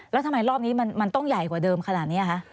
แล้วทำไมรอบนี้มันต้องใหญ่กว่าเดิมขนาดนี้คะ